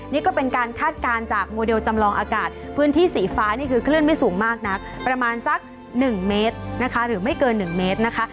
นี่ก็เป็นการคาดการณ์จากโมเดลจำลองอากาศพื้นที่สีฟ้านี่คือคลื่นไม่สูงมากนักประมาณสัก๑เมตรนะคะหรือไม่เกิน๑เมตรนะคะ